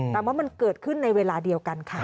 แต่ว่ามันเกิดขึ้นในเวลาเดียวกันค่ะ